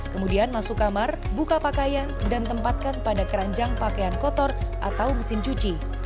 kemudian masuk kamar buka pakaian dan tempatkan pada keranjang pakaian kotor atau mesin cuci